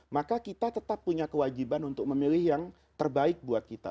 maka kita tetap punya kewajiban untuk memilih yang terbaik buat kita